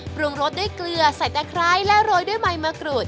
ปรุงรสด้วยเกลือใส่ตะไคร้และโรยด้วยใบมะกรูด